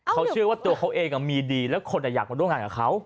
เขาเชื่อว่าตัวเขาเองมีดีแล้วคนอยากมาร่วมงานกับเขา